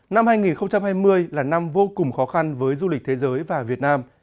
năm hai nghìn hai mươi là năm vô cùng khó khăn với du lịch thế giới và việt nam